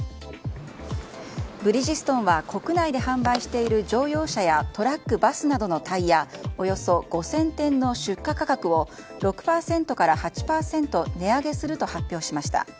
ブリヂストンは国内で販売している乗用車やトラック、バスなどのタイヤおよそ５０００点の出荷価格を６％から８％値上げすると発表しました。